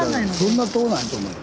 そんな遠ないと思うよ。